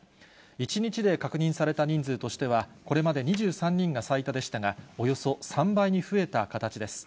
１日で確認された人数としては、これまで２３人が最多でしたが、およそ３倍に増えた形です。